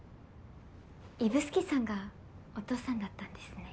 指宿さんがお父さんだったんですね。